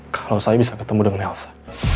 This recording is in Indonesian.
kalau saya bisa ketemu dengan elsa